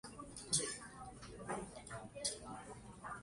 对不起，我没先告诉你